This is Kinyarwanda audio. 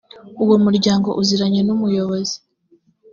uwo muryango uziranye n umuyobozi